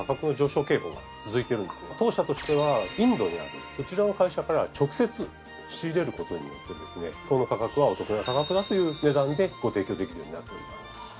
当社としてはインドにあるそちらの会社から直接仕入れることによってこの価格はお得な価格だという値段でご提供できるようになっております。